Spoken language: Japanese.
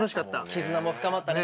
絆も深まったね。